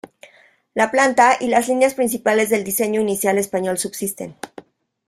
La planta y las líneas principales del diseño inicial español subsisten.